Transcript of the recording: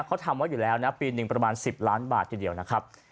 เขาทำไว้อยู่แล้วนะปีหนึ่งประมาณ๑๐ล้านบาททีเดียวนะครับ